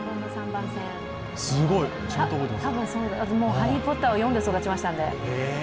「ハリー・ポッター」を読んで育ちましたので。